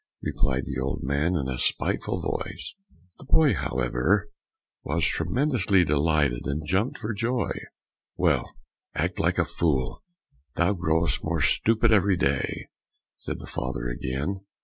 replied the old man in a spiteful voice. The boy, however, was tremendously delighted and jumped for joy. "Well, act like a fool! thou growest more stupid every day!" said the father again.